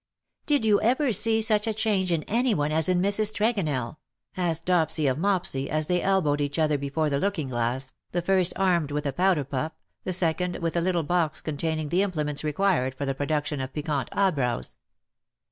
108 " Did you ever see sucli a change in any one as in Mrs. Tregonell T' asked Dopsy of Mopsy, as they elbowed each other before the looking glass, the first armed with a powder puff, the second with a little box containing the implements required for the production of piquant eyebrows.